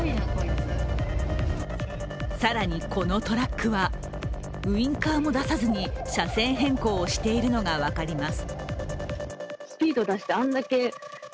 更にこのトラックはウインカーも出さずに車線変更をしているのが分かります。